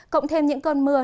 cộng thêm những cơn mưa